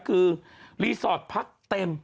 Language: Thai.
คือรีสอร์ทพักเต็ม